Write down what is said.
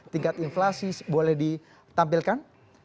tingkat inflasi boleh ditampilkan